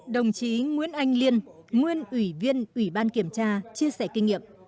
đồng chí nguyễn anh liên nguyên ủy viên ủy ban kiểm tra chia sẻ kinh nghiệm